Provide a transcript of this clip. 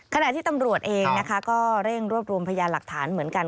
ขณะที่ตำรวจเองนะคะก็เร่งรวบรวมพยานหลักฐานเหมือนกัน